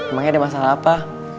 emang ada masalah apa